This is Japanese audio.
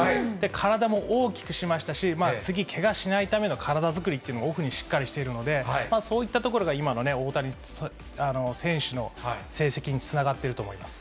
体も大きくしましたし、次、けがしないための体作りっていうの、オフにしっかりしているので、そういったところが今のね、大谷選手の成績につながっていると思います。